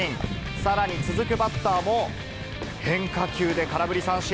さらに、続くバッターも変化球で空振り三振。